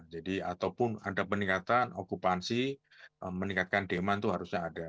jadi ataupun ada peningkatan okupansi meningkatkan deman itu harusnya ada